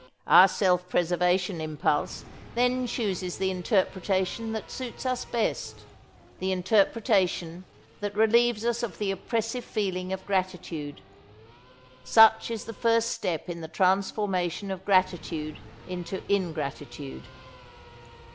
Our self preservation impulse then chooses the interpretation that suits us best, the interpretation that relieves us of the oppressive feeling of gratitude. Such is the first step in the transformation of gratitude into ingratitude.